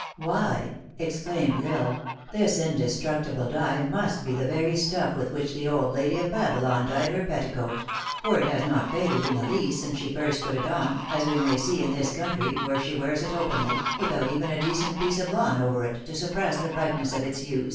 " Why," exclaimed L Isle, " this indestructible dye must be the very stuff with which the old lady of Babylon dyed her petticoat ; for it has not faded in the least since she first put it on, as we may see in this country, where she wears it openly, without even a decent piece of lawn over it, to suppress the bright ness of its hues."